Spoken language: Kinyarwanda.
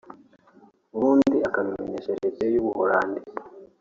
ubundi akabimenyesha Leta ye y’u Buholandi